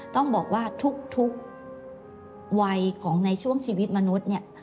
ต้องบอกว่าทุกวัยของในช่วงชีวิตมนุษย์เนี่ย